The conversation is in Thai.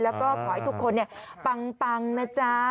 แล้วก็ขอให้ทุกคนปังนะจ๊ะ